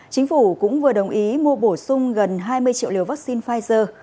chính phủ cũng vừa đồng ý mua bổ sung gần hai mươi triệu liều vaccine pfizer